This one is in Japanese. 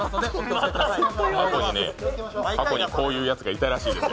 過去にこういうやつがいたらしいですよ。